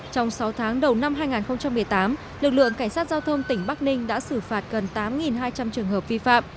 trong sáu tháng đầu năm hai nghìn một mươi tám lực lượng cảnh sát giao thông tỉnh bắc ninh đã xử phạt gần tám hai trăm linh trường hợp vi phạm